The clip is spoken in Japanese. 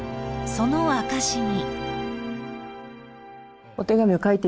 ［その証しに］